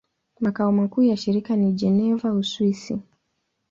Makao makuu ya shirika ni Geneva, Uswisi.